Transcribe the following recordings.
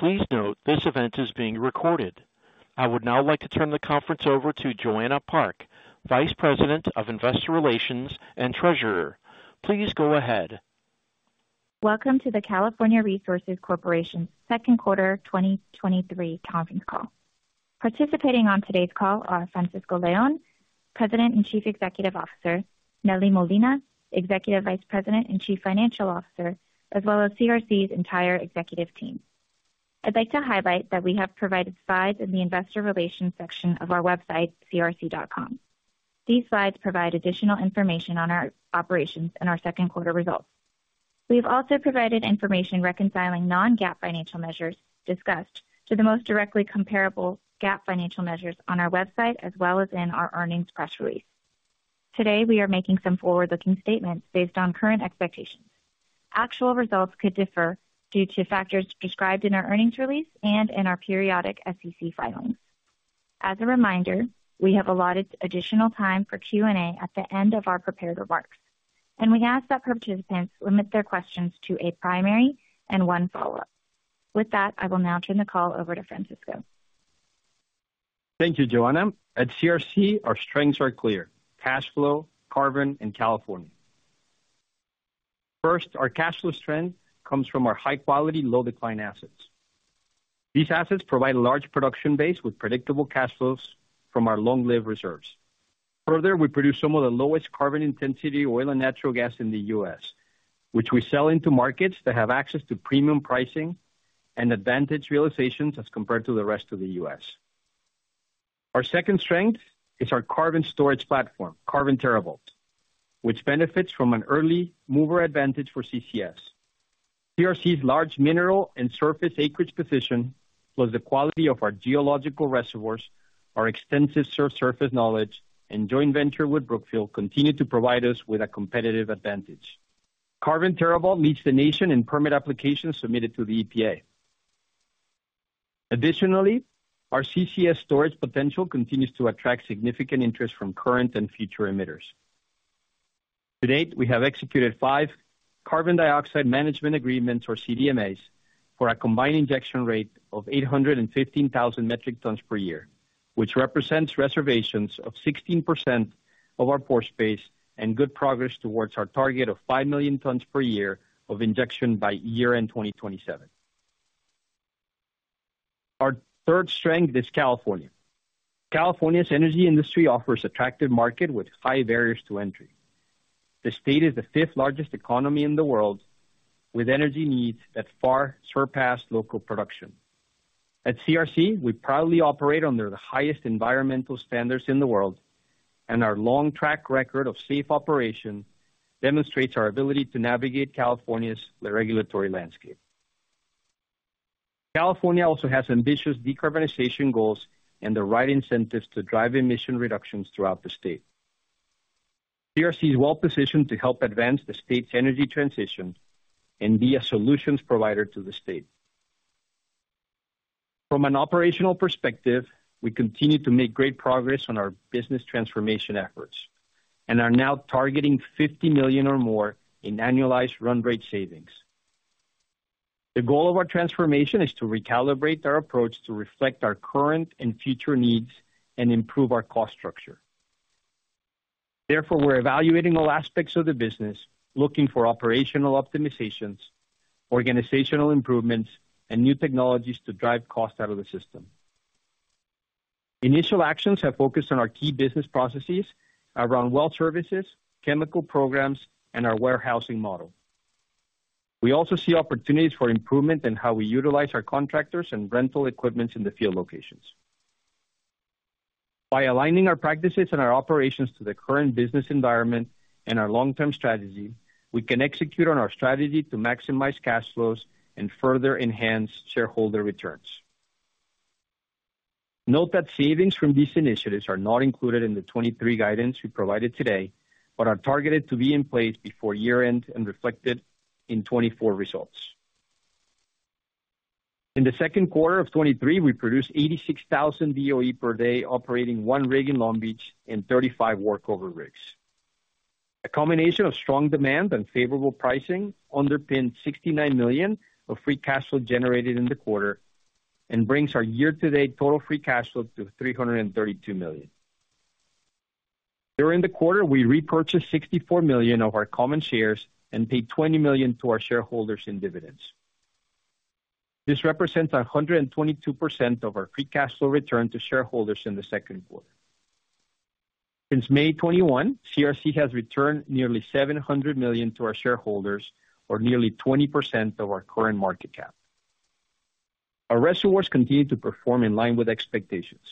Please note, this event is being recorded. I would now like to turn the conference over to Joanna Park, Vice President of Investor Relations and Treasurer. Please go ahead. Welcome to the California Resources Corporation Second Quarter 2023 conference call. Participating on today's call are Francisco Leon, President and Chief Executive Officer, Nelly Molina, Executive Vice President and Chief Financial Officer, as well as CRC's entire executive team. I'd like to highlight that we have provided slides in the Investor Relations section of our website, crc.com. These slides provide additional information on our operations and our second quarter results. We've also provided information reconciling non-GAAP financial measures discussed to the most directly comparable GAAP financial measures on our website, as well as in our earnings press release. Today, we are making some forward-looking statements based on current expectations. Actual results could differ due to factors described in our earnings release and in our periodic SEC filings. As a reminder, we have allotted additional time for Q&A at the end of our prepared remarks, and we ask that participants limit their questions to a primary and one follow-up. With that, I will now turn the call over to Francisco. Thank you, Joanna. At CRC, our strengths are clear: cash flow, carbon, and California. First, our cash flow strength comes from our high quality, low decline assets. These assets provide a large production base with predictable cash flows from our long-lived reserves. Further, we produce some of the lowest carbon intensity oil and natural gas in the U.S., which we sell into markets that have access to premium pricing and advantage realizations as compared to the rest of the U.S. Our second strength is our carbon storage platform, Carbon TerraVault, which benefits from an early mover advantage for CCS. CRC's large mineral and surface acreage position, plus the quality of our geological reservoirs, our extensive subsurface knowledge, and joint venture with Brookfield, continue to provide us with a competitive advantage. Carbon TerraVault leads the nation in permit applications submitted to the EPA. Additionally, our CCS storage potential continues to attract significant interest from current and future emitters. To date, we have executed five Carbon Dioxide Management Agreements, or CDMAs, for a combined injection rate of 815,000 metric tons per year, which represents reservations of 16% of our pore space and good progress towards our target of 5 million tons per year of injection by year-end 2027. Our third strength is California. California's energy industry offers attractive market with high barriers to entry. The state is the fifth largest economy in the world, with energy needs that far surpass local production. At CRC, we proudly operate under the highest environmental standards in the world, and our long track record of safe operation demonstrates our ability to navigate California's regulatory landscape. California also has ambitious decarbonization goals and the right incentives to drive emission reductions throughout the state. CRC is well positioned to help advance the state's energy transition and be a solutions provider to the state. From an operational perspective, we continue to make great progress on our business transformation efforts and are now targeting $50 million or more in annualized run rate savings. The goal of our transformation is to recalibrate our approach to reflect our current and future needs and improve our cost structure. We're evaluating all aspects of the business, looking for operational optimizations, organizational improvements, and new technologies to drive costs out of the system. Initial actions have focused on our key business processes around well services, chemical programs, and our warehousing model. We also see opportunities for improvement in how we utilize our contractors and rental equipment in the field locations. By aligning our practices and our operations to the current business environment and our long-term strategy, we can execute on our strategy to maximize cash flows and further enhance shareholder returns. Note that savings from these initiatives are not included in the 2023 guidance we provided today, but are targeted to be in place before year-end and reflected in 2024 results. In the second quarter of 2023, we produced 86,000 BOE per day, operating one rig in Long Beach and 35 workover rigs. A combination of strong demand and favorable pricing underpinned $69 million of free cash flow generated in the quarter and brings our year-to-date total free cash flow to $332 million. During the quarter, we repurchased $64 million of our common shares and paid $20 million to our shareholders in dividends. This represents 122% of our free cash flow return to shareholders in the second quarter. Since May 2021, CRC has returned nearly $700 million to our shareholders, or nearly 20% of our current market cap. Our reservoirs continue to perform in line with expectations.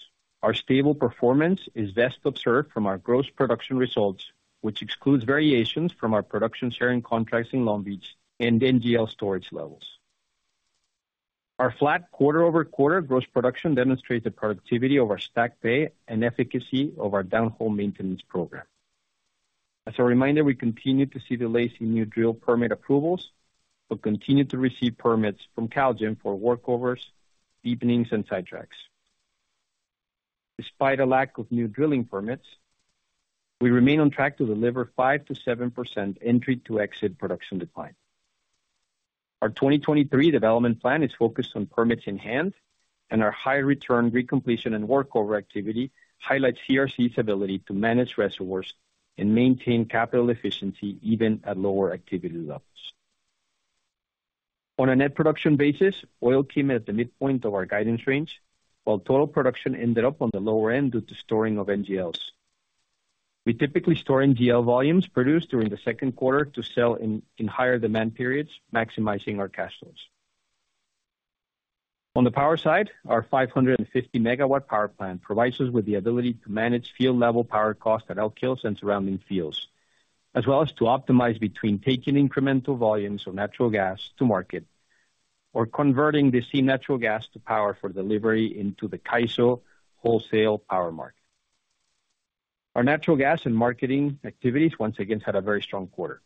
Our stable performance is best observed from our gross production results, which excludes variations from our production sharing contracts in Long Beach and NGL storage levels. Our flat QoQ gross production demonstrates the productivity of our stack pay and efficacy of our downhole maintenance program. As a reminder, we continue to see the lace in new drill permit approvals, but continue to receive permits from CalGEM for workovers, deepenings, and sidetracks. Despite a lack of new drilling permits, we remain on track to deliver 5%-7% entry to exit production decline. Our 2023 development plan is focused on permits in hand, and our high return recompletion and workover activity highlights CRC's ability to manage reservoirs and maintain capital efficiency even at lower activity levels. On a net production basis, oil came at the midpoint of our guidance range, while total production ended up on the lower end due to storing of NGLs. We typically store NGL volumes produced during the second quarter to sell in higher demand periods, maximizing our cash flows. On the power side, our 550 MW power plant provides us with the ability to manage field level power costs at Elk Hills and surrounding fields, as well as to optimize between taking incremental volumes of natural gas to market or converting the same natural gas to power for delivery into the CAISO wholesale power mark. Our natural gas and marketing activities once again, had a very strong quarter.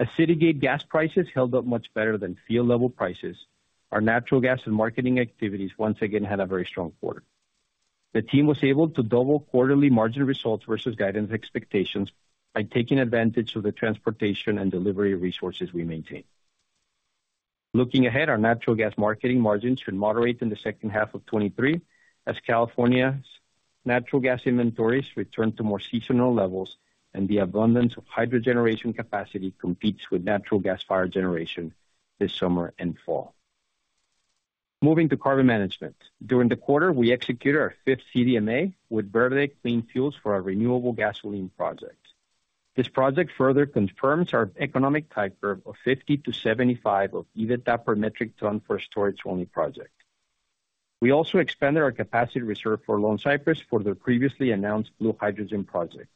As city gate gas prices held up much better than field level prices, our natural gas and marketing activities once again, had a very strong quarter. The team was able to double quarterly margin results versus guidance expectations by taking advantage of the transportation and delivery resources we maintain. Looking ahead on natural gas marketing margins should moderate in the second half of 2023, as California's natural gas inventories return to more seasonal levels, and the abundance of hydro generation capacity competes with natural gas fire generation this summer and fall. Moving to carbon management. During the quarter, we executed our fifth CDMA with Verde Clean Fuels for our renewable gasoline project. This project further confirms our economic type curve of $50-$75 of EBITDA per metric ton for a storage-only project. We also expanded our capacity reserve for Lone Cypress for their previously announced blue hydrogen project.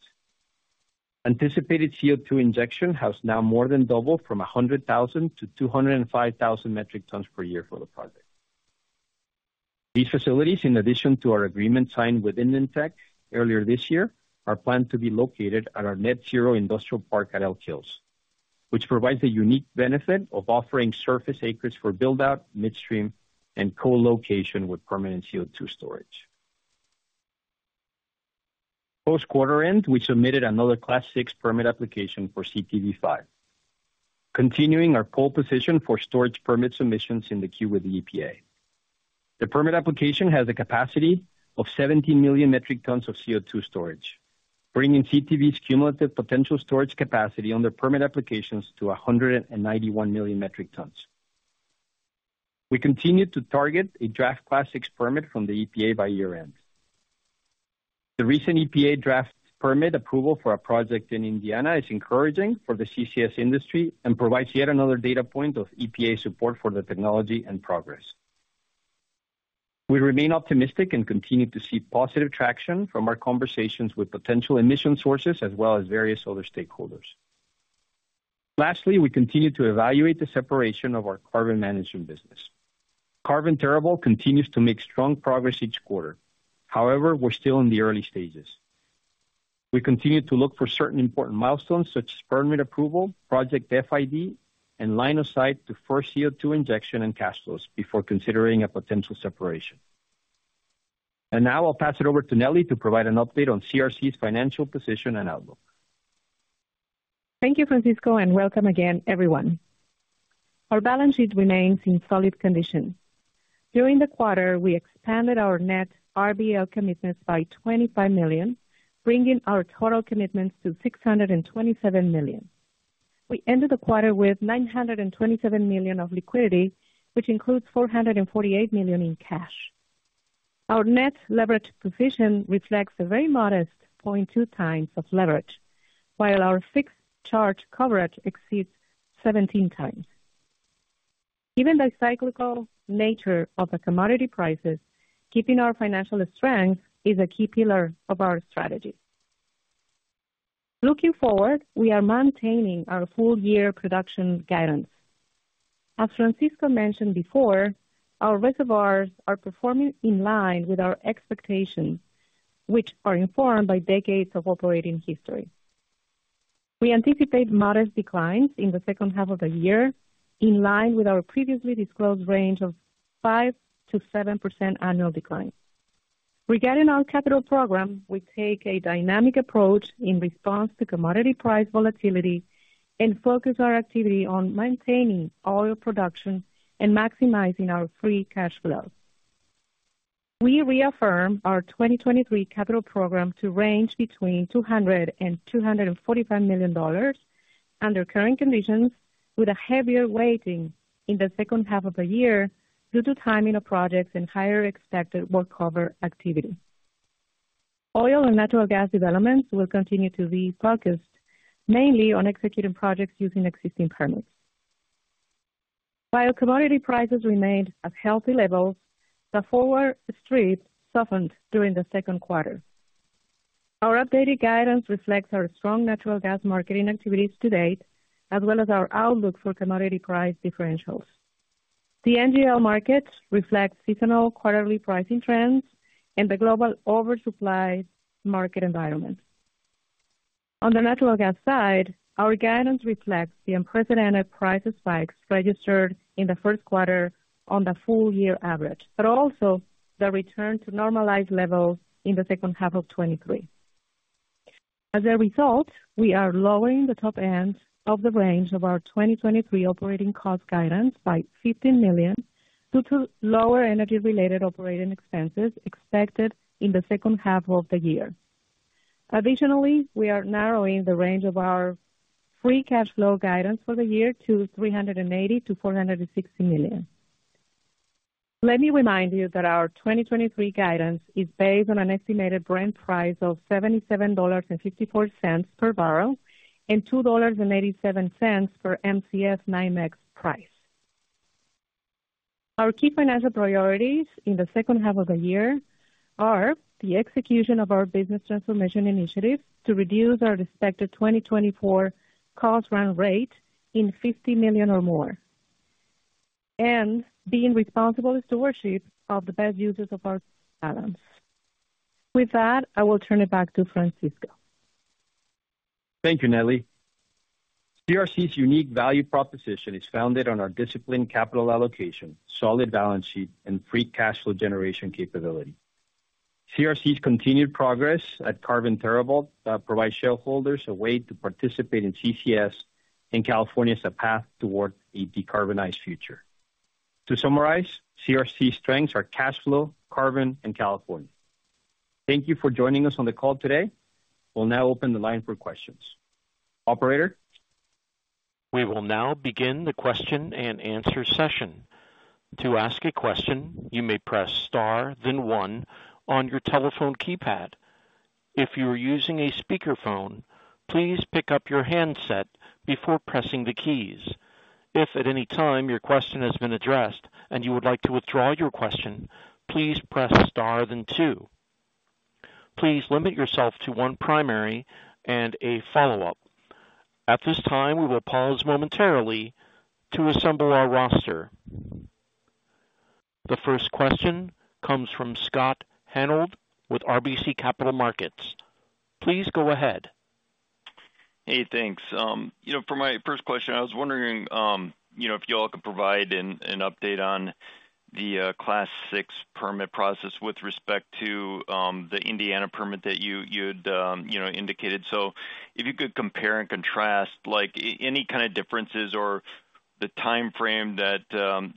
Anticipated CO₂ injection has now more than doubled from 100,000-205,000 metric tons per year for the project. These facilities, in addition to our agreement signed with InEnTec earlier this year, are planned to be located at our net zero industrial park at Elk Hills, which provides a unique benefit of offering surface acres for build-out, midstream and co-location with permanent CO₂ storage. Post quarter end, we submitted another Class VI permit application for CTV V, continuing our pole position for storage permit submissions in the queue with the EPA. The permit application has a capacity of 70 million metric tons of CO₂ storage, bringing CTV's cumulative potential storage capacity on their permit applications to 191 million metric tons. We continue to target a draft Class VI permit from the EPA by year-end. The recent EPA draft permit approval for our project in Indiana is encouraging for the CCS industry and provides yet another data point of EPA support for the technology in progress. We remain optimistic and continue to see positive traction from our conversations with potential emission sources as well as various other stakeholders. Lastly, we continue to evaluate the separation of our carbon management business. Carbon TerraVault continues to make strong progress each quarter. However, we're still in the early stages. We continue to look for certain important milestones such as permit approval, project FID, and line of sight to first CO₂ injection and cash flows before considering a potential separation. Now I'll pass it over to Nelly to provide an update on CRC's financial position and outlook. Thank you, Francisco, and welcome again, everyone. Our balance sheet remains in solid condition. During the quarter, we expanded our net RBL commitments by $25 million, bringing our total commitments to $627 million. We ended the quarter with $927 million of liquidity, which includes $448 million in cash. Our net leverage position reflects a very modest 0.2 times of leverage, while our fixed charge coverage exceeds 17 times. Given the cyclical nature of the commodity prices, keeping our financial strength is a key pillar of our strategy. Looking forward, we are maintaining our full year production guidance. As Francisco mentioned before, our reservoirs are performing in line with our expectations, which are informed by decades of operating history. We anticipate modest declines in the second half of the year, in line with our previously disclosed range of 5%-7% annual decline. Regarding our capital program, we take a dynamic approach in response to commodity price volatility and focus our activity on maintaining oil production and maximizing our free cash flow. We reaffirm our 2023 capital program to range between $200 million-$245 million under current conditions, with a heavier weighting in the second half of the year due to timing of projects and higher expected workover activity. Oil and natural gas developments will continue to be focused, mainly on executing projects using existing permits. While commodity prices remained at healthy levels, the forward strip softened during the second quarter. Our updated guidance reflects our strong natural gas marketing activities to date, as well as our outlook for commodity price differentials. The NGL markets reflect seasonal quarterly pricing trends and the global oversupply market environment. On the natural gas side, our guidance reflects the unprecedented price spikes registered in the first quarter on the full year average, also the return to normalized levels in the second half of 2023. As a result, we are lowering the top end of the range of our 2023 operating cost guidance by $15 million, due to lower energy-related operating expenses expected in the second half of the year. Additionally, we are narrowing the range of our free cash flow guidance for the year to $380 million-$460 million. Let me remind you that our 2023 guidance is based on an estimated Brent price of $77.54 per barrel, and $2.87 per Mcf NYMEX price. Our key financial priorities in the second half of the year are the execution of our business transformation initiative to reduce our expected 2024 cost run rate in $50 million or more, and being responsible stewardship of the best uses of our balance. With that, I will turn it back to Francisco. Thank you, Nelly. CRC's unique value proposition is founded on our disciplined capital allocation, solid balance sheet, and free cash flow generation capability. CRC's continued progress at Carbon TerraVault provides shareholders a way to participate in CCS, and California is a path towards a decarbonized future. To summarize, CRC's strengths are cash flow, carbon, and California. Thank you for joining us on the call today. We'll now open the line for questions. Operator? We will now begin the Q&A session. To ask a question, you may press star, then one on your telephone keypad. If you are using a speakerphone, please pick up your handset before pressing the keys. If at any time your question has been addressed and you would like to withdraw your question, please press star then two. Please limit yourself to one primary and a follow-up. At this time, we will pause momentarily to assemble our roster. The first question comes from Scott Hanold with RBC Capital Markets. Please go ahead. Hey, thanks. You know, for my first question, I was wondering, you know, if you all could provide an update on the Class VI permit process with respect to the Indiana permit that you, you'd, you know, indicated. If you could compare and contrast, like, any kind of differences or the timeframe that,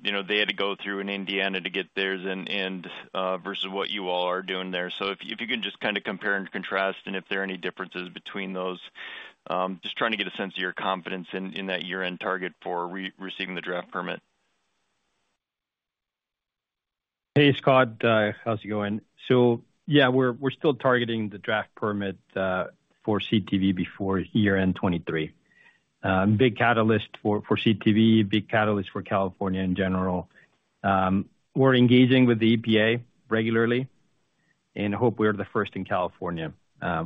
you know, they had to go through in Indiana to get theirs and versus what you all are doing there. If you can just kind of compare and contrast and if there are any differences between those. Just trying to get a sense of your confidence in that year-end target for receiving the draft permit? Hey, Scott. How's it going? Yeah, we're, we're still targeting the draft permit for CTV before year-end 2023. Big catalyst for, for CTV, big catalyst for California in general. We're engaging with the EPA regularly and hope we are the first in California.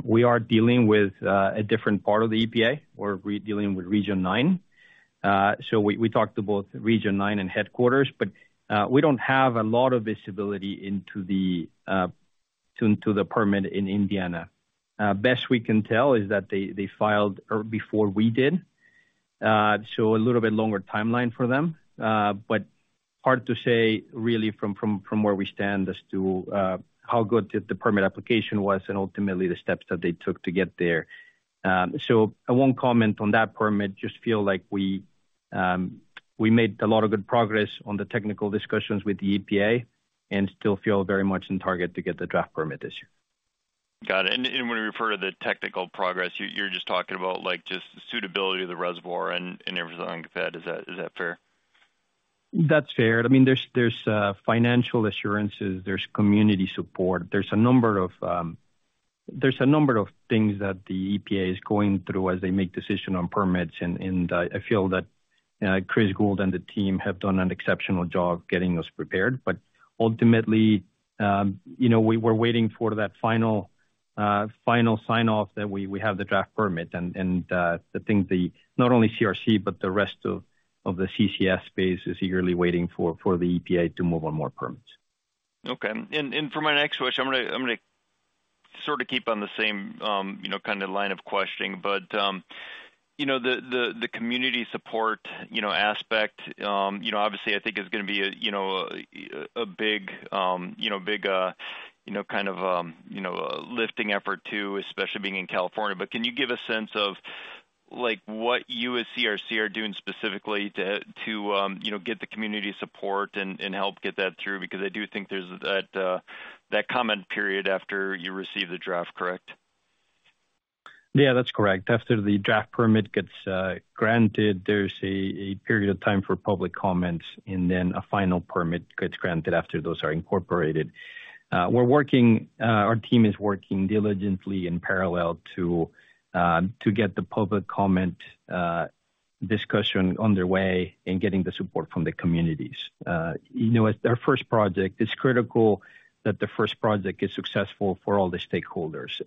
We are dealing with a different part of the EPA. We're dealing with Region 9. We, we talked to both Region 9 and headquarters, we don't have a lot of visibility into the tune to the permit in Indiana. Best we can tell is that they, they filed before we did, a little bit longer timeline for them, hard to say really from, from, from where we stand as to how good the, the permit application was and ultimately the steps that they took to get there. I won't comment on that permit. Just feel like we made a lot of good progress on the technical discussions with the EPA, still feel very much in target to get the draft permit this year. Got it. When you refer to the technical progress, you, you're just talking about, like, just the suitability of the reservoir and, and everything like that. Is that, is that fair? That's fair. I mean, there's, there's financial assurances, there's community support. There's a number of, there's a number of things that the EPA is going through as they make decision on permits, and I feel that Chris Gould and the team have done an exceptional job getting us prepared. Ultimately, you know, we were waiting for that final, final sign-off that we, we have the draft permit, and the thing, Not only CRC, but the rest of the CCS space, is eagerly waiting for the EPA to move on more permits. Okay. For my next question, I'm gonna, I'm gonna sort of keep on the same, you know, kind of line of questioning. The, the, the community support, you know, aspect, you know, obviously I think is gonna be a, you know, a big, you know, big, you know, kind of, you know, lifting effort too, especially being in California. Can you give a sense of, like, what you as CRC are doing specifically to, to, you know, get the community support and, and help get that through? Because I do think there's that, that comment period after you receive the draft, correct? Yeah, that's correct. After the draft permit gets granted, there's a period of time for public comments, and then a final permit gets granted after those are incorporated. We're working, our team is working diligently in parallel to get the public comment discussion on their way in getting the support from the communities. You know, as our first project, it's critical that the first project is successful for all the stakeholders.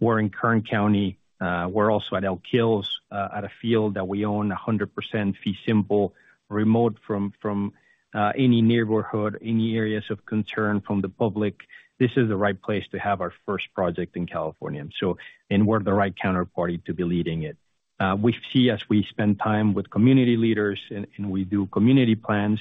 We're in Kern County, we're also at Elk Hills, at a field that we own 100% fee simple, remote from, from, any neighborhood, any areas of concern from the public. This is the right place to have our first project in California, and we're the right counterparty to be leading it. We see as we spend time with community leaders and, and we do community plans,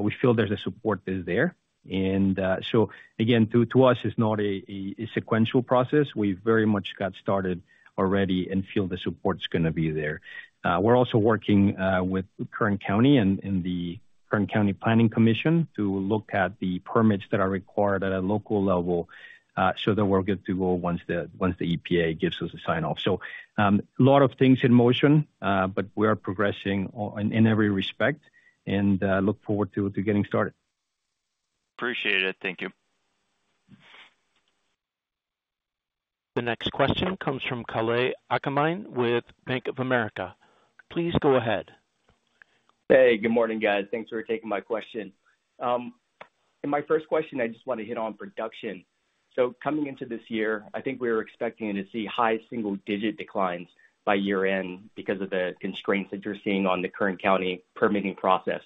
we feel there's a support is there. Again, to, to us, it's not a, a, a sequential process. We very much got started already and feel the support's gonna be there. We're also working with Kern County and, and the Kern County Planning Commission to look at the permits that are required at a local level, so that we're good to go once the, once the EPA gives us a sign-off. A lot of things in motion, but we are progressing on, in every respect, and look forward to, to getting started. Appreciate it. Thank you. The next question comes from Kalei Akamine with Bank of America. Please go ahead. Hey, good morning, guys. Thanks for taking my question. In my first question, I just want to hit on production. Coming into this year, I think we were expecting to see high single-digit declines by year-end because of the constraints that you're seeing on the Kern County permitting process.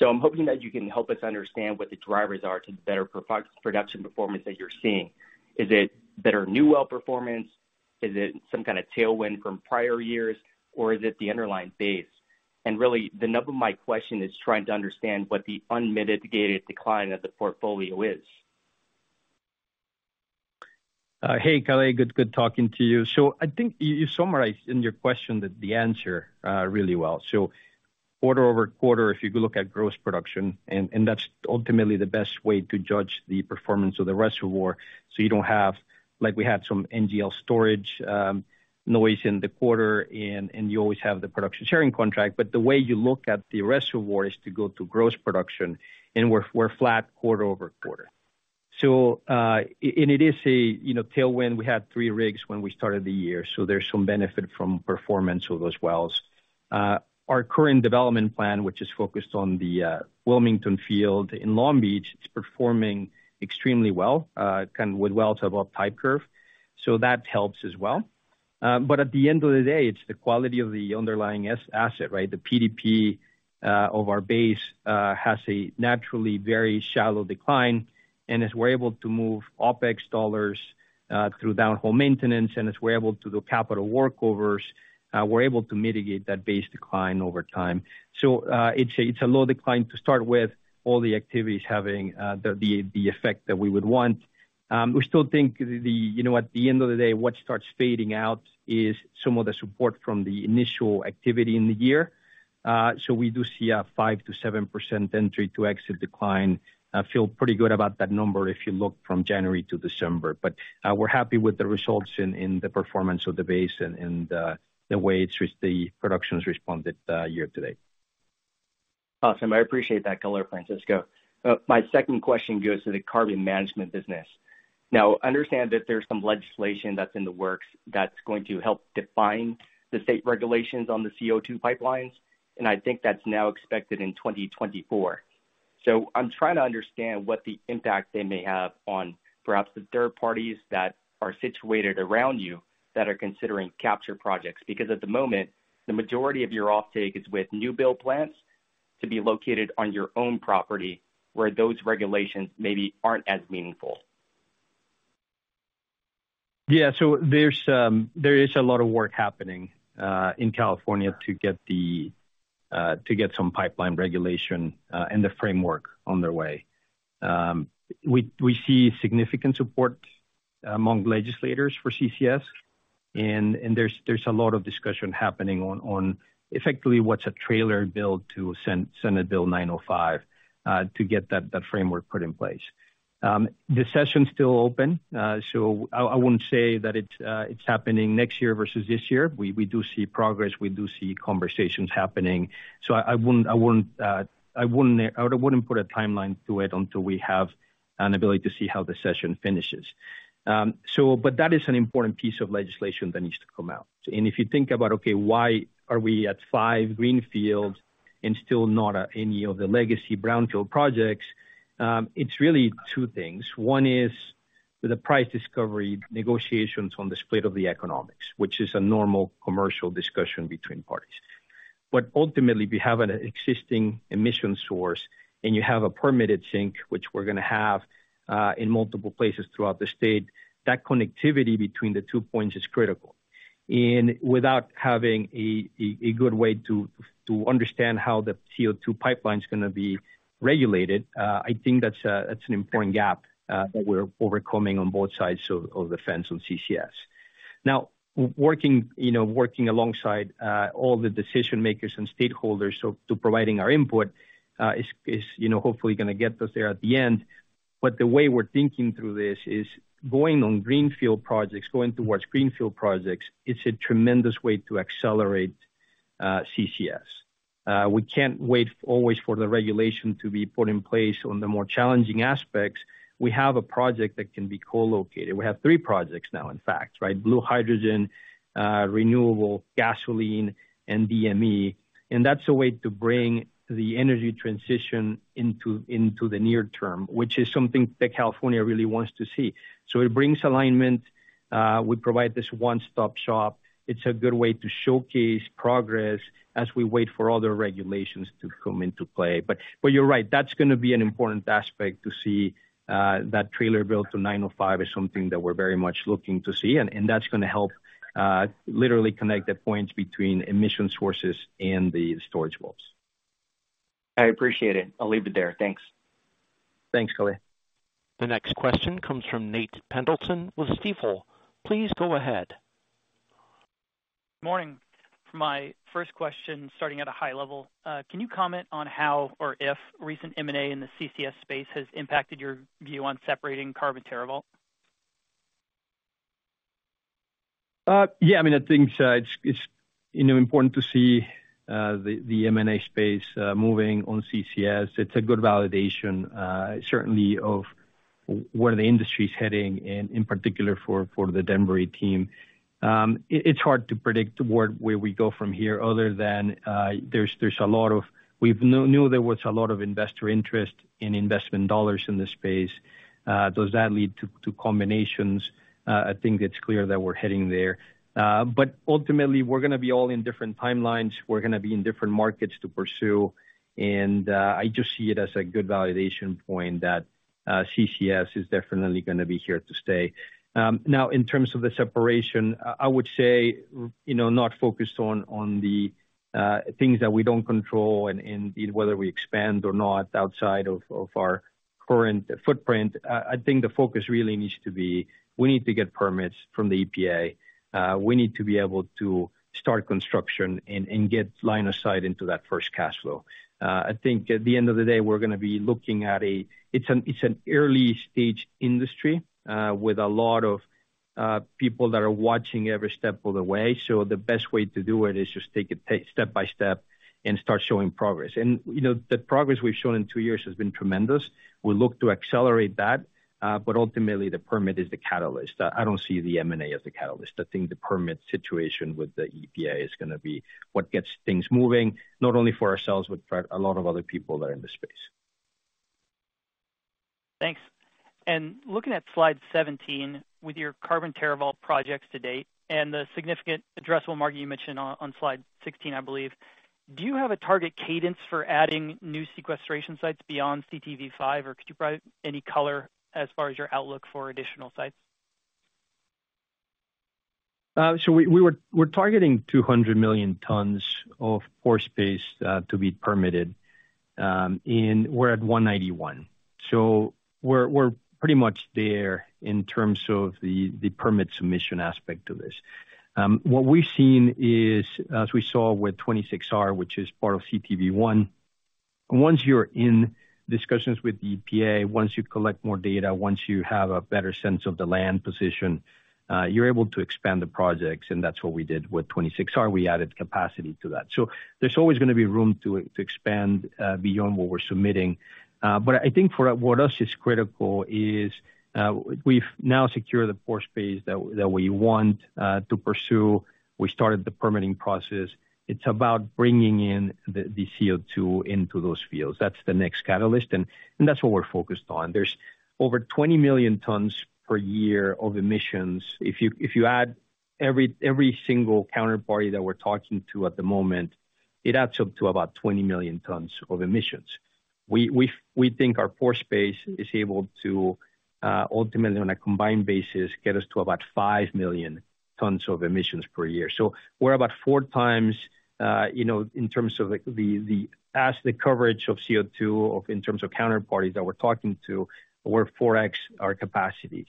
I'm hoping that you can help us understand what the drivers are to the better production performance that you're seeing. Is it better new well performance? Is it some kind of tailwind from prior years? Or is it the underlying base? And really, the nub of my question is trying to understand what the unmitigated decline of the portfolio is. Hey, Kalei. Good, good talking to you. I think you, you summarized in your question that the answer really well. QoQ, if you look at gross production, and, and that's ultimately the best way to judge the performance of the reservoir, so you don't have... Like, we had some NGL storage noise in the quarter, and, and you always have the production sharing contract, but the way you look at the reservoir is to go to gross production, and we're, we're flat QoQ. It is a, you know, tailwind. We had three rigs when we started the year, there's some benefit from performance of those wells. Our current development plan, which is focused on the Wilmington field in Long Beach, it's performing extremely well, kind of with wells above type curve. That helps as well. But at the end of the day, it's the quality of the underlying asset, right? The PDP of our base has a naturally very shallow decline, and as we're able to move OpEx dollars through downhole maintenance, and as we're able to do capital workovers, we're able to mitigate that base decline over time. It's a low decline to start with, all the activities having the effect that we would want. We still think the, you know, at the end of the day, what starts fading out is some of the support from the initial activity in the year. We do see a 5%-7% entry to exit decline. I feel pretty good about that number if you look from January to December. We're happy with the results in, in the performance of the base and, and, the way it's the production has responded, year to date. Awesome. I appreciate that color, Francisco. My second question goes to the carbon management business. I understand that there's some legislation that's in the works that's going to help define the state regulations on the CO₂ pipelines, and I think that's now expected in 2024. I'm trying to understand what the impact they may have on perhaps the third parties that are situated around you, that are considering capture projects, because at the moment, the majority of your offtake is with new build plants to be located on your own property, where those regulations maybe aren't as meaningful. Yeah. There's a lot of work happening in California to get the to get some pipeline regulation and the framework on their way. We, we see significant support among legislators for CCS, and there's a lot of discussion happening on on effectively what's a trailer bill to Senate Bill 905 to get that, that framework put in place. The session's still open, so I, I wouldn't say that it's it's happening next year versus this year. We, we do see progress, we do see conversations happening, so I wouldn't, I wouldn't, I wouldn't, I wouldn't put a timeline to it until we have an ability to see how the session finishes. That is an important piece of legislation that needs to come out. If you think about, okay, why are we at five greenfields and still not at any of the legacy brownfield projects, it's really two things. One is the price discovery, negotiations on the split of the economics, which is a normal commercial discussion between parties. Ultimately, we have an existing emission source, and you have a permitted sink, which we're gonna have in multiple places throughout the state. That connectivity between the two points is critical. Without having a good way to understand how the CO₂ pipeline is gonna be regulated, I think that's an important gap that we're overcoming on both sides of the fence on CCS. Now, working, you know, working alongside all the decision makers and stakeholders, so to providing our input, is, you know, hopefully gonna get us there at the end. The way we're thinking through this is going on greenfield projects, going towards greenfield projects, it's a tremendous way to accelerate CCS. We can't wait always for the regulation to be put in place on the more challenging aspects. We have a project that can be co-located. We have three projects now, in fact, right? Blue hydrogen, renewable gasoline, and DME, and that's a way to bring the energy transition into, into the near term, which is something that California really wants to see. It brings alignment. We provide this one-stop shop. It's a good way to showcase progress as we wait for other regulations to come into play. You're right, that's gonna be an important aspect to see, that trailer bill to 905 is something that we're very much looking to see, and, and that's gonna help, literally connect the points between emission sources and the storage vaults. I appreciate it. I'll leave it there. Thanks. Thanks, Kalei. The next question comes from Nate Pendleton with Stifel. Please go ahead. Morning. For my first question, starting at a high level, can you comment on how or if recent M&A in the CCS space has impacted your view on separating Carbon TerraVault? Yeah, I mean, I think, it's, it's, you know, important to see, the, the M&A space, moving on CCS. It's a good validation, certainly of where the industry is heading, and in particular, for, for the Denbury team. It, it's hard to predict toward where we go from here, other than, there's, there's a lot of... We've knew there was a lot of investor interest in investment dollars in this space. Does that lead to, to combinations? I think it's clear that we're heading there. Ultimately, we're gonna be all in different timelines. We're gonna be in different markets to pursue, and, I just see it as a good validation point that, CCS is definitely gonna be here to stay. Now, in terms of the separation, I would say, you know, not focused on, on the things that we don't control and, and whether we expand or not outside of, of our current footprint. I think the focus really needs to be, we need to get permits from the EPA. We need to be able to start construction and, and get line of sight into that first cash flow. I think at the end of the day, we're gonna be looking at an early-stage industry, with a lot of people that are watching every step of the way, so the best way to do it is just take it step by step and start showing progress. You know, the progress we've shown in two years has been tremendous. We look to accelerate that, but ultimately, the permit is the catalyst. I don't see the M&A as the catalyst. I think the permit situation with the EPA is gonna be what gets things moving, not only for ourselves, but for a lot of other people that are in the space. Thanks. Looking at slide 17, with your Carbon TerraVault projects to date and the significant addressable market you mentioned on, on slide 16, I believe, do you have a target cadence for adding new sequestration sites beyond CTV V, or could you provide any color as far as your outlook for additional sites? We're targeting 200 million tons of pore space to be permitted, and we're at 191. We're pretty much there in terms of the permit submission aspect to this. What we've seen is, as we saw with 26R, which is part of CTV I, once you're in discussions with the EPA, once you collect more data, once you have a better sense of the land position, you're able to expand the projects, and that's what we did with 26R. We added capacity to that. There's always gonna be room to expand beyond what we're submitting. I think for what us is critical is, we've now secured the pore space that we want to pursue. We started the permitting process. It's about bringing in the CO₂ into those fields. That's the next catalyst, and that's what we're focused on. There's over 20 million tons per year of emissions. If you add every single counterparty that we're talking to at the moment, it adds up to about 20 million tons of emissions. We think our pore space is able to ultimately, on a combined basis, get us to about 5 million tons of emissions per year. We're about four times, you know, in terms of the as the coverage of CO₂ or in terms of counterparties that we're talking to, we're 4x our capacity.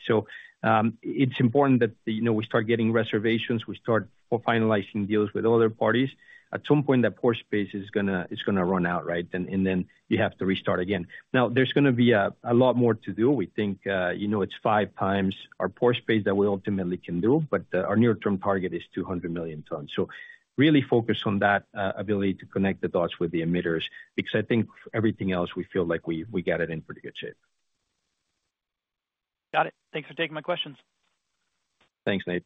It's important that, you know, we start getting reservations, we start finalizing deals with other parties. At some point, that pore space is gonna, it's gonna run out, right? And then you have to restart again. There's gonna be a lot more to do. We think, you know, it's five times our pore space that we ultimately can do, but our near-term target is 200 million tons. Really focused on that, ability to connect the dots with the emitters, because I think everything else, we feel like we got it in pretty good shape. Got it. Thanks for taking my questions. Thanks, Nate.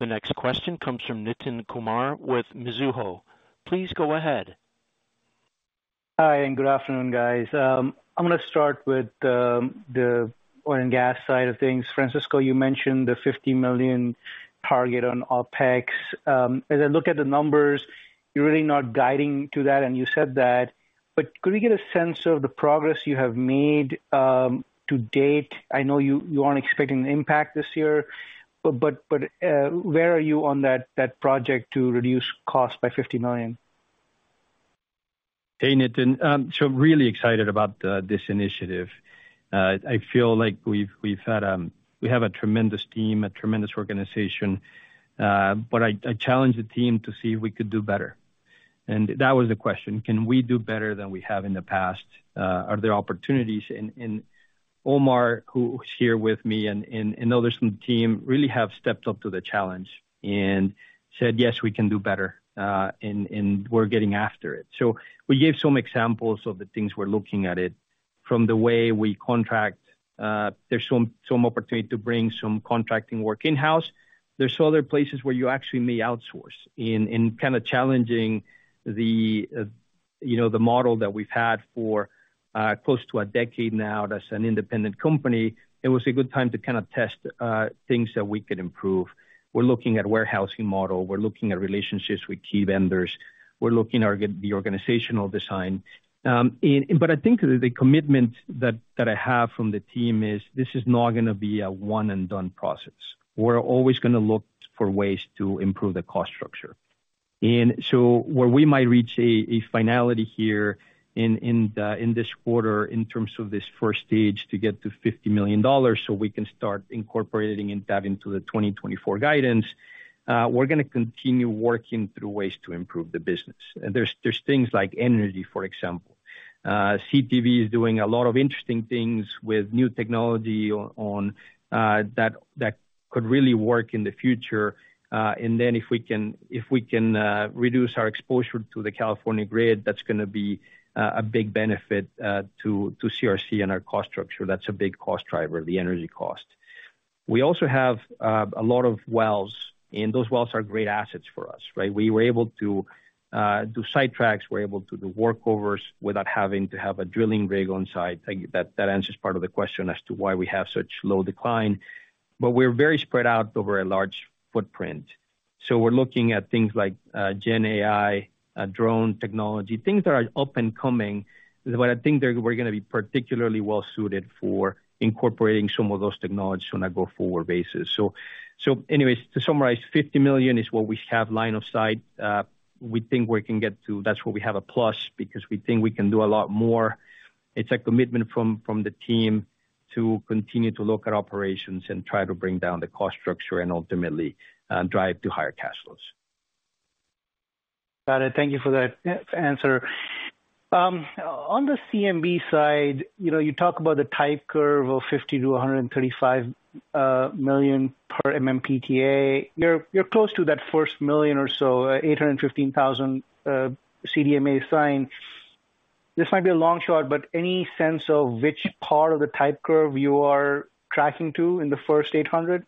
The next question comes from Nitin Kumar with Mizuho. Please go ahead. Hi, good afternoon, guys. I'm gonna start with the oil and gas side of things. Francisco, you mentioned the $50 million target on OpEx. As I look at the numbers, you're really not guiding to that, and you said that, could we get a sense of the progress you have made to date? I know you, you aren't expecting an impact this year, where are you on that, that project to reduce costs by $50 million? Hey, Nitin, really excited about this initiative. I feel like we've, we've had, we have a tremendous team, a tremendous organization, but I, I challenged the team to see if we could do better. That was the question: Can we do better than we have in the past? Are there opportunities in, in...... Omar, who's here with me, and, and, and others from the team, really have stepped up to the challenge and said, "Yes, we can do better, and, and we're getting after it." We gave some examples of the things we're looking at it, from the way we contract, there's some, some opportunity to bring some contracting work in-house. There's other places where you actually may outsource in, in kind of challenging the, you know, the model that we've had for, close to a decade now as an independent company. It was a good time to kind of test, things that we could improve. We're looking at warehousing model. We're looking at relationships with key vendors. We're looking at the organizational design. I think the commitment that, that I have from the team is this is not gonna be a one-and-done process. We're always gonna look for ways to improve the cost structure. So where we might reach a finality here in this quarter, in terms of this first stage, to get to $50 million, so we can start incorporating and tap into the 2024 guidance, we're gonna continue working through ways to improve the business. There's, there's things like energy, for example. CTV is doing a lot of interesting things with new technology on, on that, that could really work in the future. And then if we can, if we can reduce our exposure to the California grid, that's gonna be a big benefit to CRC and our cost structure. That's a big cost driver, the energy cost. We also have a lot of wells, and those wells are great assets for us, right? We were able to do sidetracks. We're able to do workovers without having to have a drilling rig on site. I think that, that answers part of the question as to why we have such low decline. We're very spread out over a large footprint, so we're looking at things like GenAI, drone technology, things that are up and coming, but I think we're gonna be particularly well suited for incorporating some of those technologies on a go-forward basis. Anyways, to summarize, $50 million is what we have line of sight. We think we can get to... That's why we have a plus, because we think we can do a lot more. It's a commitment from the team to continue to look at operations and try to bring down the cost structure and ultimately drive to higher cash flows. Got it. Thank you for that answer. On the CMB side, you know, you talk about the type curve of 50-135 million per MMTPA. You're, you're close to that first million or so, 815,000 CDMA signs. This might be a long shot, but any sense of which part of the type curve you are tracking to in the first 800? Yeah,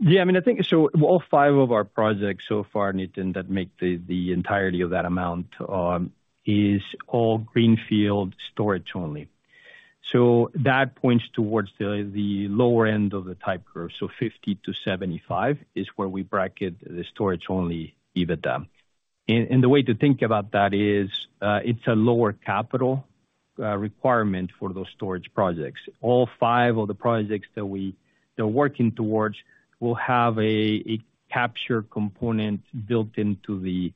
I mean, I think all five of our projects so far, Nitin, that make the entirety of that amount is all greenfield storage only. That points towards the lower end of the type curve. $50-$75 is where we bracket the storage-only EBITDA. The way to think about that is it's a lower capital requirement for those storage projects. All five of the projects that we are working towards will have a capture component built into the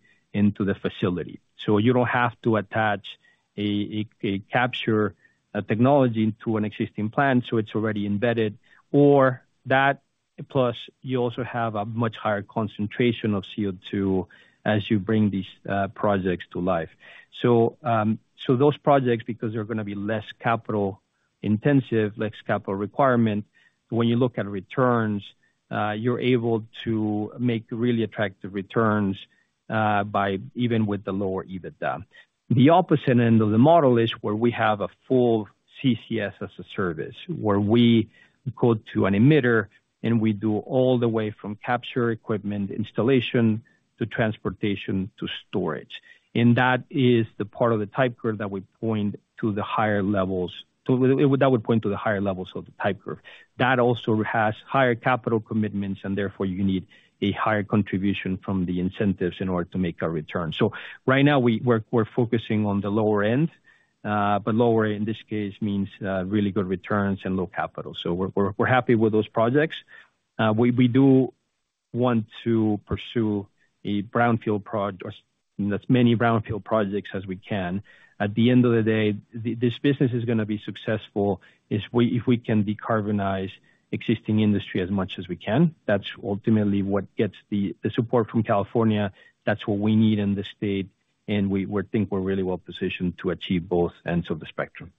facility. You don't have to attach a capture technology to an existing plant, so it's already embedded. That, plus, you also have a much higher concentration of CO₂ as you bring these projects to life. Those projects, because they're gonna be less capital-intensive, less capital requirement, when you look at returns, you're able to make really attractive returns, by even with the lower EBITDA. The opposite end of the model is where we have a full CCS as a service, where we go to an emitter, and we do all the way from capture equipment installation, to transportation, to storage. That is the part of the type curve that would point to the higher levels, that would point to the higher levels of the type curve. That also has higher capital commitments, and therefore, you need a higher contribution from the incentives in order to make a return. Right now, we're focusing on the lower end, but lower, in this case, means really good returns and low capital. We're happy with those projects. We do want to pursue as many brownfield projects as we can. At the end of the day, this business is gonna be successful if we can decarbonize existing industry as much as we can. That's ultimately what gets the support from California. That's what we need in the state. We think we're really well positioned to achieve both ends of the spectrum.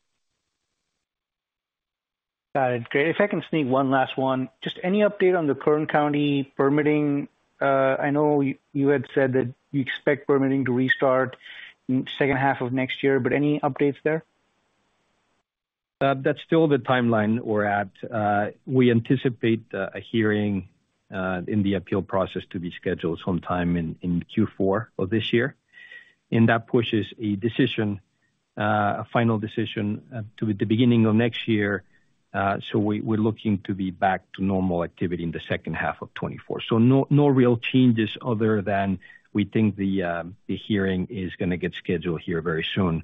Got it. Great. If I can sneak one last one, just any update on the Kern County permitting? I know you had said that you expect permitting to restart in second half of next year. Any updates there? That's still the timeline we're at. We anticipate a hearing in the appeal process to be scheduled sometime in Q4 of this year, and that pushes a decision, a final decision, to the beginning of next year. We're looking to be back to normal activity in the second half of 2024. No, no real changes other than we think the hearing is gonna get scheduled here very soon.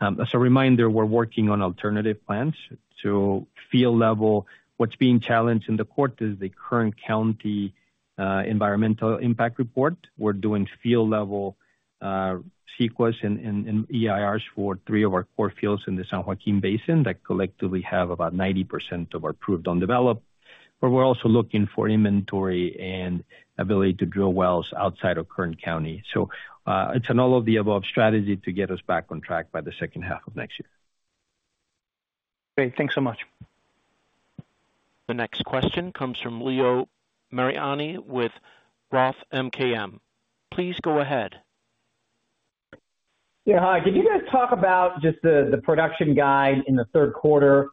As a reminder, we're working on alternative plans to field level. What's being challenged in the court is the Kern County environmental impact report. We're doing field level CEQA and EIRs for three of our core fields in the San Joaquin Basin, that collectively have about 90% of our proved undeveloped. We're also looking for inventory and ability to drill wells outside of Kern County. It's an all-of-the-above strategy to get us back on track by the second half of next year. Great. Thanks so much. The next question comes from Leo Mariani with Roth MKM. Please go ahead. Yeah, hi. Could you guys talk about just the production guide in the third quarter?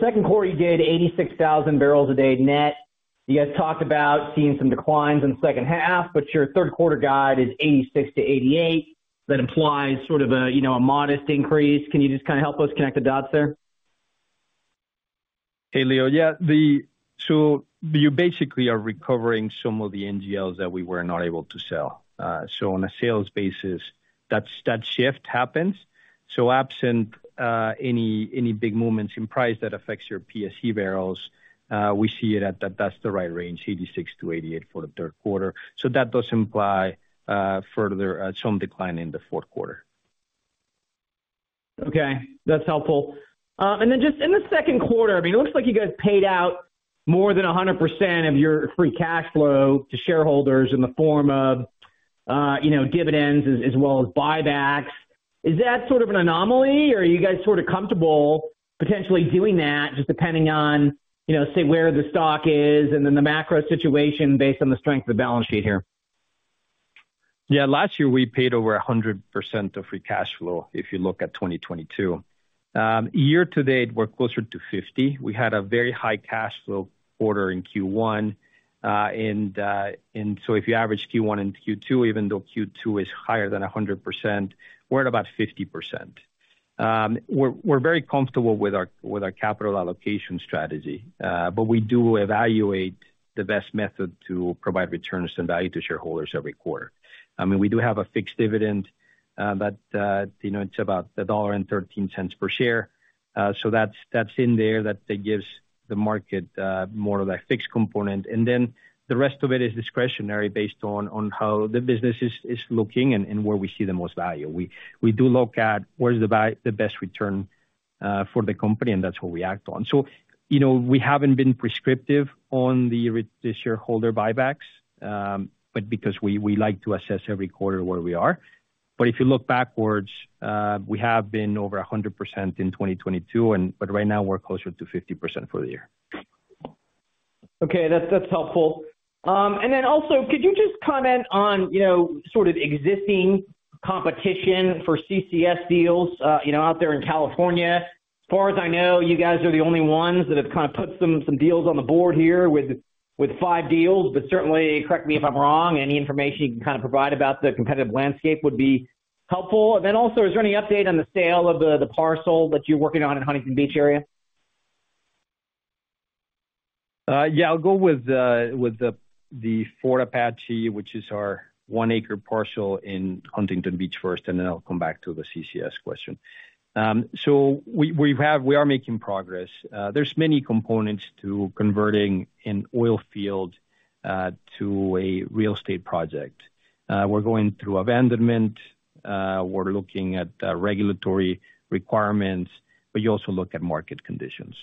Second quarter, you did 86,000 barrels a day net. You guys talked about seeing some declines in the second half, but your third quarter guide is 86-88. That implies sort of a, you know, a modest increase. Can you just kind of help us connect the dots there? Hey, Leo. Yeah, you basically are recovering some of the NGLs that we were not able to sell. On a sales basis, that, that shift happens. Absent any big movements in price that affects your PSE barrels, we see it at that, that's the right range, 86-88 for the third quarter. That does imply further some decline in the fourth quarter. Okay, that's helpful. Then just in the second quarter, I mean, it looks like you guys paid out more than 100% of your free cash flow to shareholders in the form of, you know, dividends as, as well as buybacks. Is that sort of an anomaly, or are you guys sort of comfortable potentially doing that, just depending on, you know, say, where the stock is and then the macro situation based on the strength of the balance sheet here? Yeah, last year, we paid over 100% of free cash flow, if you look at 2022. Year to date, we're closer to 50. We had a very high cash flow quarter in Q1. If you average Q1 and Q2, even though Q2 is higher than 100%, we're at about 50%. We're, we're very comfortable with our, with our capital allocation strategy, we do evaluate the best method to provide returns and value to shareholders every quarter. I mean, we do have a fixed dividend, you know, it's about $1.13 per share. That's, that's in there, that, that gives the market, more of a fixed component. The rest of it is discretionary based on, on how the business is, is looking and, and where we see the most value. We, we do look at where's the best return for the company, and that's what we act on. You know, we haven't been prescriptive on the shareholder buybacks, but because we, we like to assess every quarter where we are. If you look backwards, we have been over 100% in 2022, and but right now we're closer to 50% for the year. Okay, that's, that's helpful. Also, could you just comment on, you know, sort of existing competition for CCS deals, you know, out there in California? As far as I know, you guys are the only ones that have kind of put some, some deals on the board here with, with five deals, but certainly correct me if I'm wrong. Any information you can kind of provide about the competitive landscape would be helpful. Also, is there any update on the sale of the, the parcel that you're working on in Huntington Beach area? Yeah, I'll go with the, with the, the Fort Apache, which is our one-acre parcel in Huntington Beach first, and then I'll come back to the CCS question. We are making progress. There's many components to converting an oil field to a real estate project. We're going through abandonment, we're looking at regulatory requirements, but you also look at market conditions.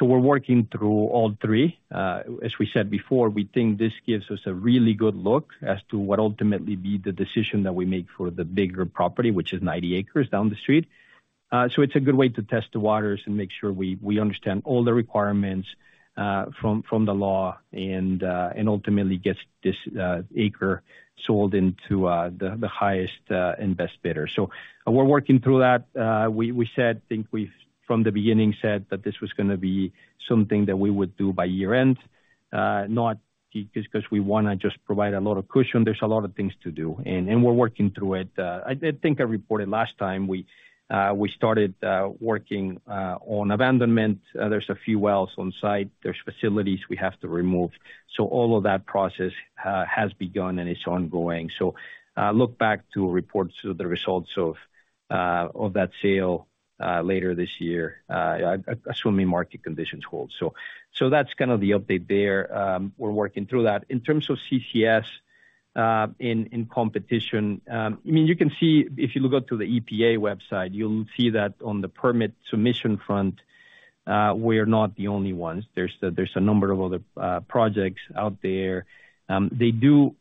We're working through all three. As we said before, we think this gives us a really good look as to what ultimately be the decision that we make for the bigger property, which is 90 acres down the street. It's a good way to test the waters and make sure we, we understand all the requirements from, from the law and ultimately gets this one acre sold into the, the highest and best bidder. We're working through that. We, we said, think we've from the beginning said that this was gonna be something that we would do by year-end. Not just 'cause we wanna just provide a lot of cushion. There's a lot of things to do, and, and we're working through it. I, I think I reported last time we started working on abandonment. There's a few wells on site. There's facilities we have to remove. All of that process has begun, and it's ongoing. Look back to reports of the results of that sale later this year, assuming market conditions hold. That's kind of the update there. We're working through that. In terms of CCS, in, in competition, I mean, you can see if you look up to the EPA website, you'll see that on the permit submission front, we are not the only ones. There's a, there's a number of other projects out there. They do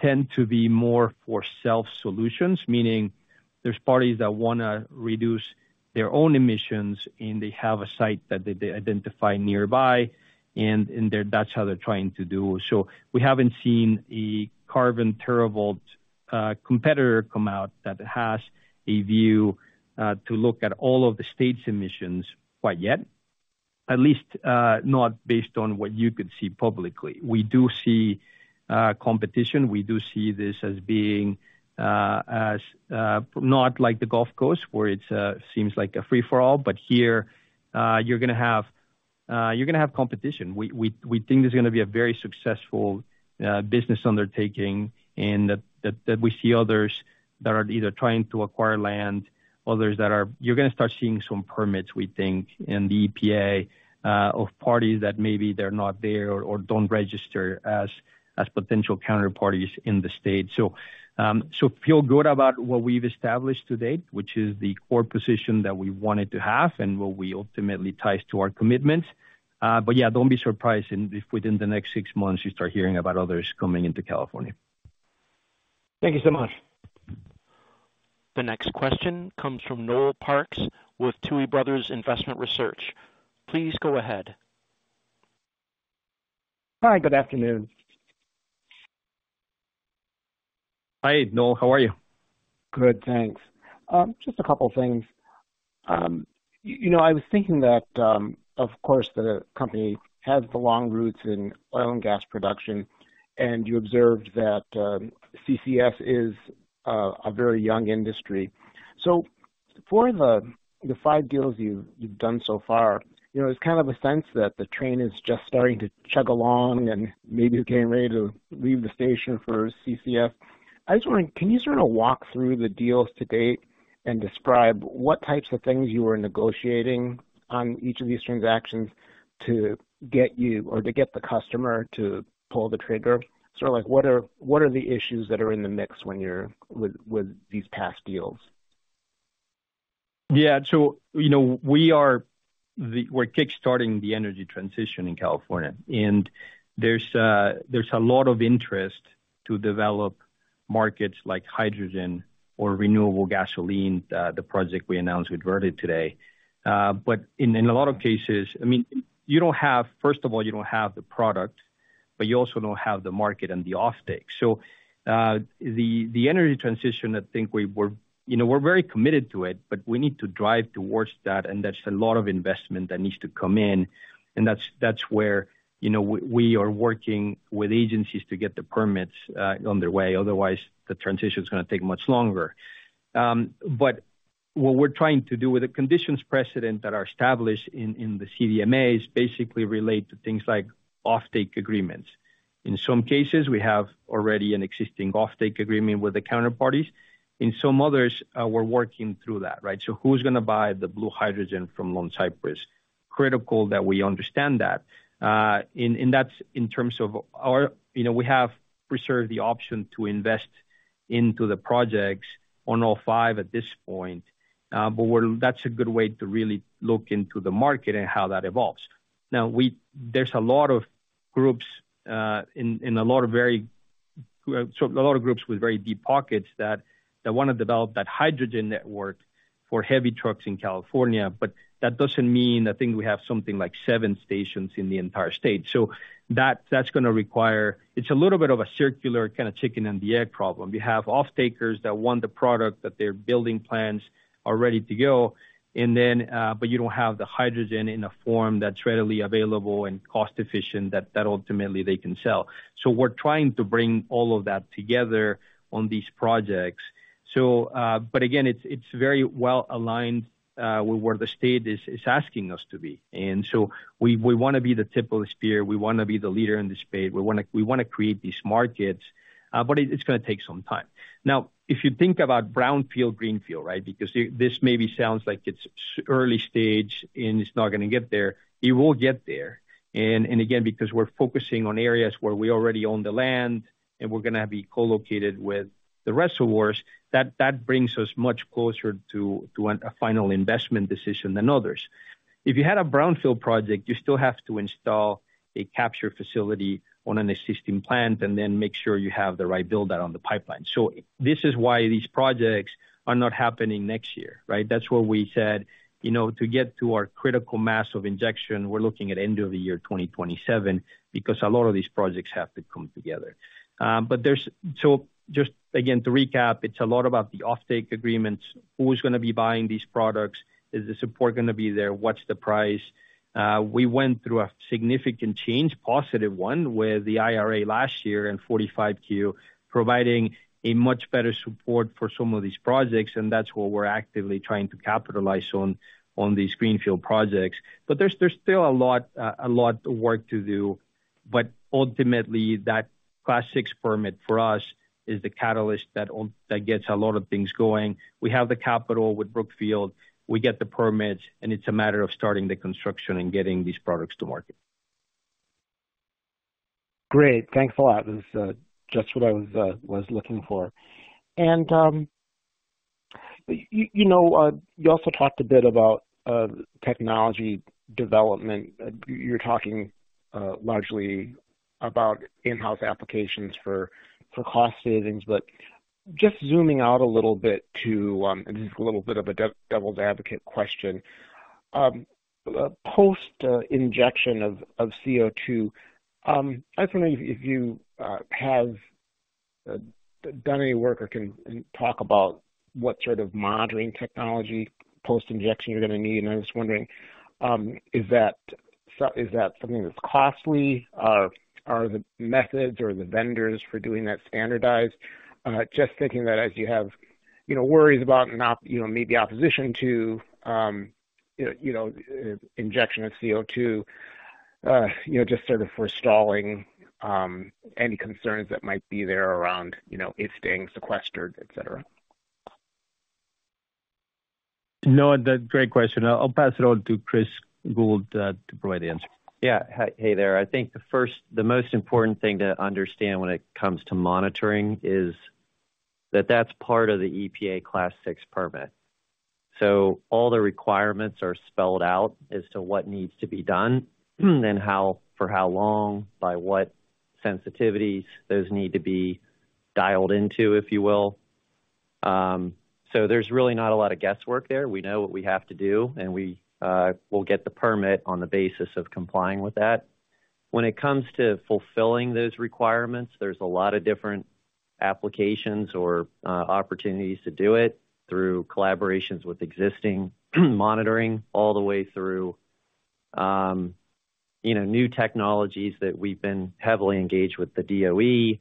tend to be more for self-solutions, meaning there's parties that wanna reduce their own emissions, and they have a site that they, they identify nearby, and, and that's how they're trying to do. We haven't seen a Carbon TerraVault competitor come out that has a view to look at all of the state's emissions quite yet, at least, not based on what you could see publicly. We do see competition. We do see this as being as not like the Gulf Coast, where it seems like a free-for-all, but here, you're gonna have, you're gonna have competition. We think this is gonna be a very successful business undertaking and that we see others that are either trying to acquire land, others that are. You're gonna start seeing some permits, we think, in the EPA of parties that maybe they're not there or don't register as potential counterparties in the state. Feel good about what we've established to date, which is the core position that we wanted to have and what we ultimately ties to our commitments. Yeah, don't be surprised if within the next 6 months, you start hearing about others coming into California. Thank you so much. The next question comes from Noel Parks with Tuohy Brothers Investment Research. Please go ahead. Hi, good afternoon. Hi, Noel. How are you? Good, thanks. Just a couple of things. You know, I was thinking that, of course, the company has the long roots in oil and gas production, and you observed that CCS is a very young industry. For the five deals you've done so far, you know, it's kind of a sense that the train is just starting to chug along and maybe getting ready to leave the station for CCS. I was wondering, can you sort of walk through the deals to date and describe what types of things you were negotiating on each of these transactions to get you or to get the customer to pull the trigger? Sort of like, what are, what are the issues that are in the mix when you're with, with these past deals? Yeah. You know, we're kickstarting the energy transition in California. There's, there's a lot of interest to develop markets like hydrogen or renewable gasoline, the project we announced with Verde today. In a lot of cases, I mean, you don't have first of all, you don't have the product, but you also don't have the market and the offtake. The energy transition, I think we're, you know, we're very committed to it, but we need to drive towards that. That's a lot of investment that needs to come in. That's where, you know, we are working with agencies to get the permits, on their way. Otherwise, the transition is gonna take much longer. What we're trying to do with the conditions precedent that are established in, in the CDMAs basically relate to things like offtake agreements. In some cases, we have already an existing offtake agreement with the counterparties. In some others, we're working through that, right? Who's gonna buy the blue hydrogen from Lone Cypress? Critical that we understand that. That's in terms of our... You know, we have reserved the option to invest into the projects on all five at this point, that's a good way to really look into the market and how that evolves. There's a lot of groups, in, in a lot of very, a lot of groups with very deep pockets that, that wanna develop that hydrogen network for heavy trucks in California, that doesn't mean... I think we have something like seven stations in the entire state. That, that's gonna require, it's a little bit of a circular kind of chicken and the egg problem. You have off-takers that want the product, that they're building plans are ready to go, and then, but you don't have the hydrogen in a form that's readily available and cost efficient, that, that ultimately they can sell. We're trying to bring all of that together on these projects. But again, it's, it's very well aligned with where the state is, is asking us to be. We, we wanna be the tip of the spear. We wanna be the leader in the space. We wanna, we wanna create these markets, but it, it's gonna take some time. Now, if you think about brownfield, greenfield, right? Because this maybe sounds like it's early stage, and it's not gonna get there. It will get there. Again, because we're focusing on areas where we already own the land, and we're gonna be co-located with the reservoirs, that, that brings us much closer to, to a, a final investment decision than others. If you had a brownfield project, you still have to install a capture facility on an existing plant and then make sure you have the right build-out on the pipeline. This is why these projects are not happening next year, right? That's where we said, you know, to get to our critical mass of injection, we're looking at end of the year 2027, because a lot of these projects have to come together. But there's. Just again, to recap, it's a lot about the offtake agreements. Who's gonna be buying these products? Is the support gonna be there? What's the price? We went through a significant change, positive one, with the IRA last year and 45Q, providing a much better support for some of these projects, and that's what we're actively trying to capitalize on, on these greenfield projects. There's, there's still a lot, a lot of work to do. Ultimately, that Class VI permit for us is the catalyst that gets a lot of things going. We have the capital with Brookfield, we get the permits, it's a matter of starting the construction and getting these products to market. Great. Thanks a lot. This is just what I was looking for. You know, you also talked a bit about technology development. You're talking largely about in-house applications for cost savings. Just zooming out a little bit to, and this is a little bit of a devil's advocate question. Post injection of CO₂, I was wondering if you have done any work or can talk about what sort of monitoring technology post injection you're gonna need. I was wondering, is that something that's costly? Are the methods or the vendors for doing that standardized? Just thinking that as you have, you know, worries about not, you know, maybe opposition to, you know, injection of CO₂, you know, just sort of forestalling, any concerns that might be there around, you know, it staying sequestered, et cetera. No, that's a great question. I'll pass it on to Chris Gould to provide the answer. Yeah. Hi. Hey there. I think the most important thing to understand when it comes to monitoring is that that's part of the EPA Class VI permit. All the requirements are spelled out as to what needs to be done, and how, for how long, by what sensitivities those need to be dialed into, if you will. There's really not a lot of guesswork there. We know what we have to do, and we'll get the permit on the basis of complying with that. When it comes to fulfilling those requirements, there's a lot of different applications or opportunities to do it through collaborations with existing monitoring all the way through, you know, new technologies that we've been heavily engaged with the DOE,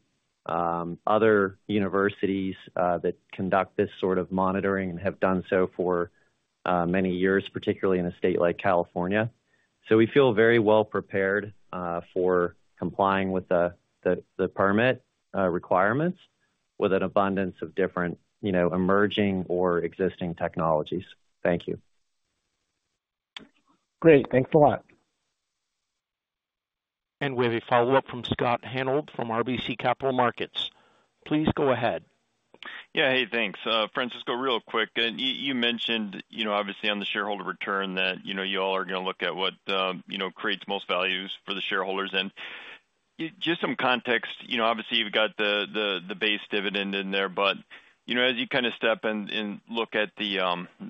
other universities that conduct this sort of monitoring and have done so for many years, particularly in a state like California. We feel very well prepared for complying with the, the, the permit requirements with an abundance of different, you know, emerging or existing technologies. Thank you. Great. Thanks a lot. We have a follow-up from Scott Hanold from RBC Capital Markets. Please go ahead. Yeah. Hey, thanks. Francisco, real quick, you, you mentioned, you know, obviously on the shareholder return that, you know, you all are gonna look at what, you know, creates the most values for the shareholders. Just some context, you know, obviously, you've got the, the, the base dividend in there, but, you know, as you kinda step in and look at the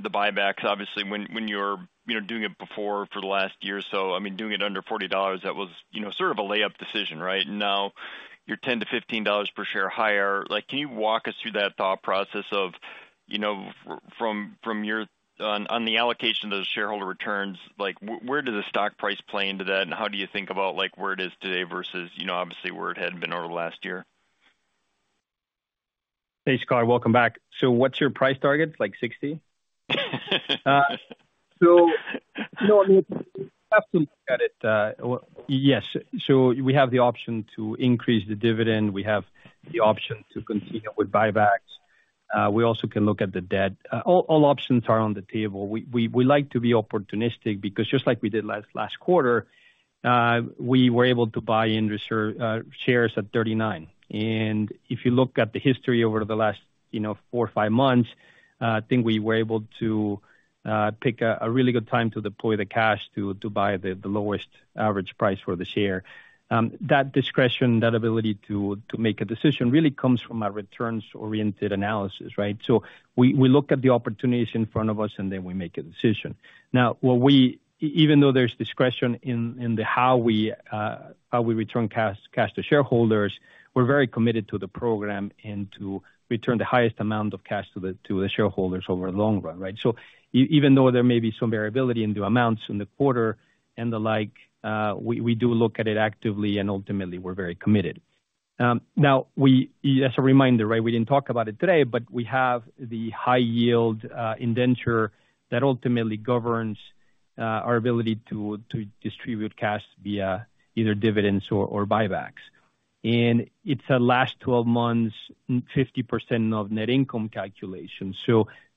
buybacks, obviously, when, when you're, you know, doing it before for the last year or so, I mean, doing it under $40, that was, you know, sort of a lay-up decision, right? Now, you're $10-$15 per share higher. Like, can you walk us through that thought process of, you know, from, from your... On, on the allocation of those shareholder returns, like, where does the stock price play into that? How do you think about, like, where it is today versus, you know, obviously, where it had been over the last year? Hey, Scott, welcome back. What's your price target? Like 60? you know, I mean, have to look at it, well, yes. We have the option to increase the dividend. We have the option to continue with buybacks. We also can look at the debt. All, all options are on the table. We, we, we like to be opportunistic because just like we did last, last quarter, we were able to buy and reserve shares at 39. If you look at the history over the last, you know, 4 or 5 months, I think we were able to pick a really good time to deploy the cash to buy the lowest average price for the share. That discretion, that ability to make a decision, really comes from a returns-oriented analysis, right? We, we look at the opportunities in front of us, then we make a decision. What we even though there's discretion in, in the how we, how we return cash, cash to shareholders, we're very committed to the program and to return the highest amount of cash to the, to the shareholders over the long run, right? Even though there may be some variability in the amounts in the quarter and the like, we, we do look at it actively, and ultimately, we're very committed. Now, we, as a reminder, right, we didn't talk about it today, but we have the high yield indenture that ultimately governs, our ability to, to distribute cash via either dividends or, or buybacks. It's a last 12 months, 50% of net income calculation.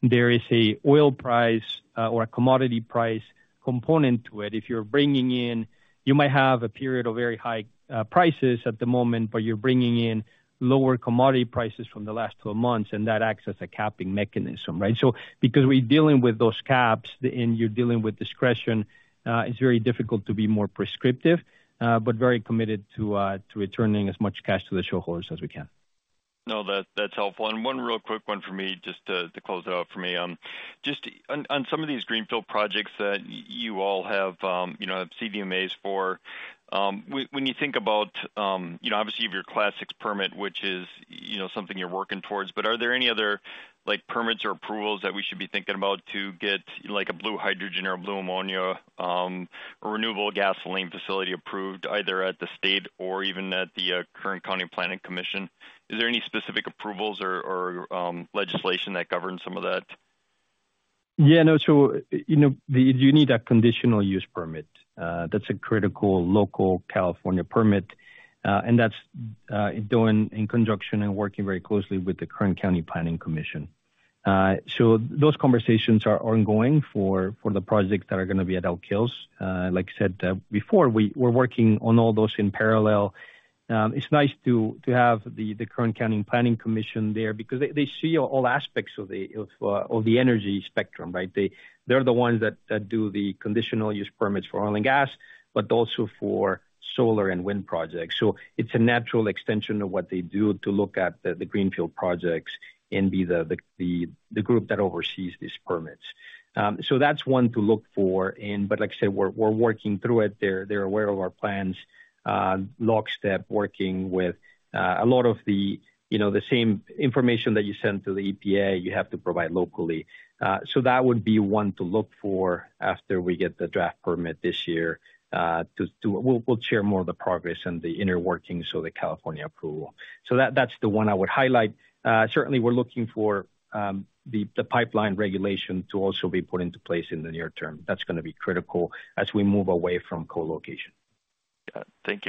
There is a oil price, or a commodity price component to it. If you're bringing in, you might have a period of very high prices at the moment, but you're bringing in lower commodity prices from the last 12 months, and that acts as a capping mechanism, right? Because we're dealing with those caps and you're dealing with discretion, it's very difficult to be more prescriptive, but very committed to returning as much cash to the shareholders as we can. No, that, that's helpful. One real quick one for me, just to, to close it out for me. Just on, on some of these greenfield projects that you all have, you know, CDMAs for, when you think about, you know, obviously, your Class VI permit, which is, you know, something you're working towards, but are there any other, like, permits or approvals that we should be thinking about to get, like, a blue hydrogen or a blue ammonia, a renewable gasoline facility approved either at the state or even at the Kern County Planning Commission? Is there any specific approvals or, or, legislation that governs some of that? Yeah, no. You know, you need a conditional use permit. That's a critical local California permit, and that's doing in conjunction and working very closely with the Kern County Planning Commission. Those conversations are ongoing for the projects that are gonna be at Elk Hills. Like I said before, we're working on all those in parallel. It's nice to have the Kern County Planning Commission there because they see all aspects of the energy spectrum, right? They're the ones that do the conditional use permits for oil and gas, but also for solar and wind projects. So it's a natural extension of what they do to look at the greenfield projects and be the group that oversees these permits. That's one to look for in... Like I said, we're, we're working through it. They're, they're aware of our plans, lockstep, working with a lot of the, you know, the same information that you send to the EPA, you have to provide locally. That would be one to look for after we get the draft permit this year, to... We'll, we'll share more of the progress and the inner workings of the California approval. That, that's the one I would highlight. Certainly, we're looking for the, the pipeline regulation to also be put into place in the near term. That's gonna be critical as we move away from co-location. Got it. Thank you.